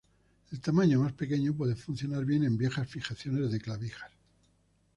El tamaño más pequeño puede funcionar bien en viejas fijaciones de clavijas.